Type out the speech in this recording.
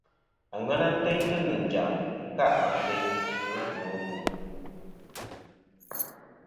Aŋena teyntɨ nɨ̀ njàm teyntɨ ɨnkâˈ ateyn kɨ ɨfuŋ ɨfuŋ.